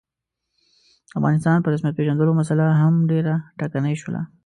د افغانستان په رسمیت پېژندلو مسعله هم ډېره ټکنۍ شوله.